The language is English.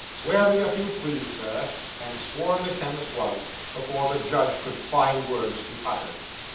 Swear me, if you please, Sir;' and sworn the chemist was, before the judge could find words to utter.